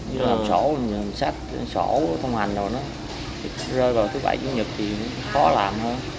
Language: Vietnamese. như là sổ sát sổ thông hành rồi nó rơi vào thứ bảy chủ nhật thì khó làm thôi